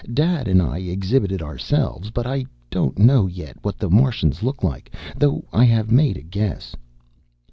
Dad and I exhibited ourselves, but I don't know yet what the Martians look like though I have made a guess.